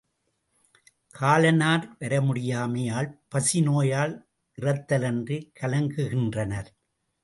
காலனார் வரமுடியாமை யால் பசி நோயால் இறத்தலின்றிக் கலங்குகின்றனர்.